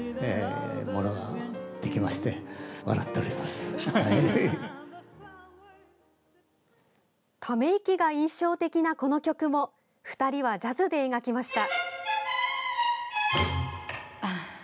ため息が印象的なこの曲も２人はジャズで描きました。